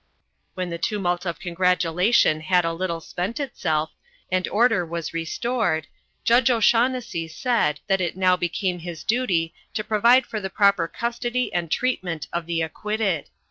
When the tumult of congratulation had a little spent itself, and order was restored, Judge O'Shaunnessy said that it now became his duty to provide for the proper custody and treatment of the acquitted.